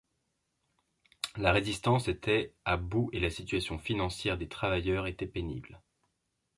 La résistance était à bout et la situation financière des travailleurs était pénible.